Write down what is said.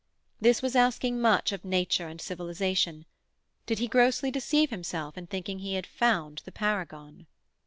This was asking much of nature and civilization; did he grossly deceive himself in thinking he had found the paragon?